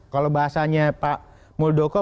kalau bahasanya pak muldoko